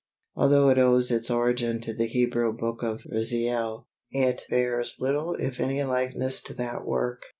Although it owes its origin to the Hebrew "Book of Raziel," it bears little if any likeness to that work.